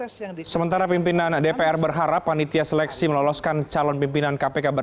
sementara pimpinan dpr berharap panitia seleksi meloloskan calon pimpinan kpk